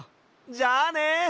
じゃあね！